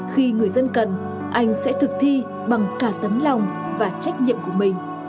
khi người dân cần anh sẽ thực thi bằng cả tấm lòng và trách nhiệm của mình